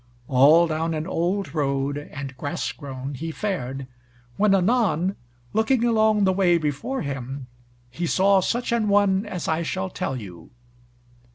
All down an old road, and grassgrown he fared, when anon, looking along the way before him, he saw such an one as I shall tell you.